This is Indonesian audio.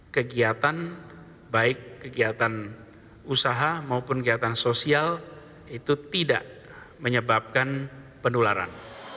kegiatan baik kegiatan usaha maupun kegiatan sosial itu tidak menyebabkan penularan